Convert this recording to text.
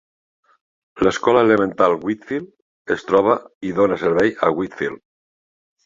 L'escola elemental Wheatfield es troba i dona servei a Wheatfield.